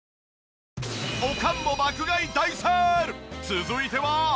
続いては。